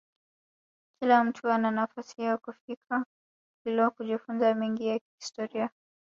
Kila mtu ana nafasi ya kufika kilwa kujifunza mengi ya kihistoria